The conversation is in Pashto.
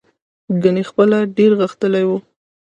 ګنې خپله ډېر غښتلی و.